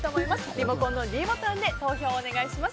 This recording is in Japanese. リモコンのｄボタンで投票をお願いします。